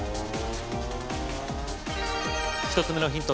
１つ目のヒント